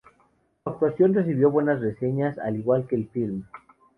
Su actuación recibió buenas reseñas, al igual que el filme.